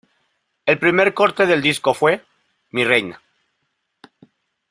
El primer corte del disco fue Mi reina.